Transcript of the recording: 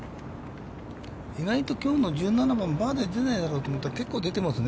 意外ときょうの１７番、バーディー出ないなと思ったら結構出てますね。